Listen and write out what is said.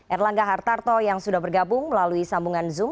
erlangga hartarto yang sudah bergabung melalui sambungan zoom